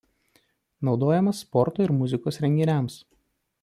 Naudojamas sporto ir muzikos renginiams.